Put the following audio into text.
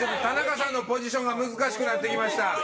田中さんのポジションが難しくなって来ました。